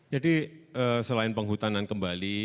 jadi selain penghutanan kembali